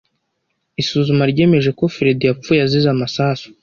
Isuzuma ryemeje ko Fredy yapfuye azize amasasu.